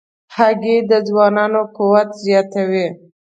هګۍ د ځوانانو قوت زیاتوي.